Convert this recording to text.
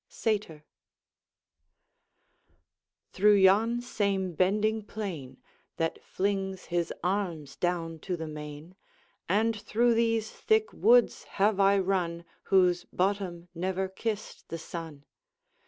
] Satyr Through yon same bending plain That flings his arms down to the main, And through these thick woods have I run, Whose bottom never kissed the sun.